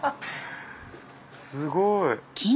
すごい。